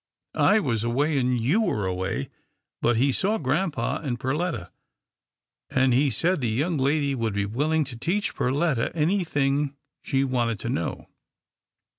I was away, and you were away, but he saw grampa and Perletta, and he said the young lady would be willing to teach Perletta anything she wanted to know."